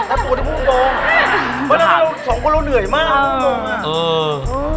มัวเล่านังสองคนโดยเหนื่อยมาก